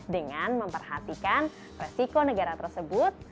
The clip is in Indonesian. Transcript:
dengan memperhatikan resiko negara tersebut